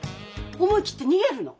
思い切って逃げるの。